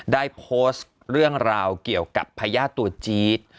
ได้โพสต์เรื่องราวเกี่ยวกับพญาติตัวจี๊ด